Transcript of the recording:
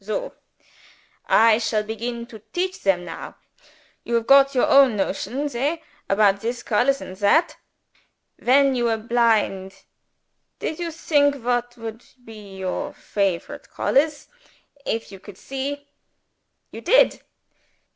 Soh! I shall begin to teach them now. You have got your own notions hey? about this colors and that? When you were blind, did you think what would be your favorite colors if you could see? You did?